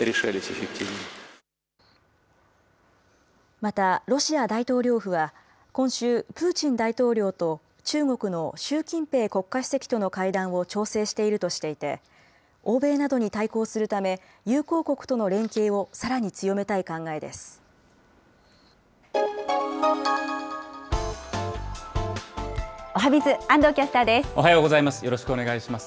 またロシア大統領府は、今週、プーチン大統領と中国の習近平国家主席との会談を調整しているとしていて、欧米などに対抗するため、友好国との連携をさらに強めおはＢｉｚ、おはようございます。